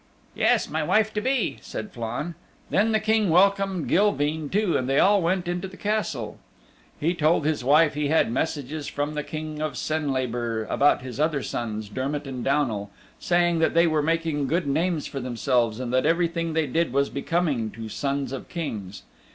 "Yes, my wife to be," said Flann. Then the King welcomed Gilveen too, and they all went into the Castle. He told his wife he had messages from the King of Senlabor about his other sons Dermott and Downal, saying that they were making good names for themselves, and that everything they did was becoming to sons of Kings.